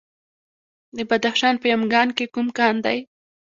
د بدخشان په یمګان کې کوم کان دی؟